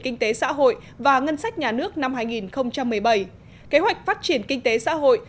kinh tế xã hội và ngân sách nhà nước năm hai nghìn một mươi bảy kế hoạch phát triển kinh tế xã hội